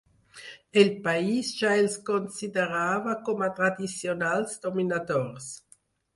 El país ja els considerava com a tradicionals dominadors.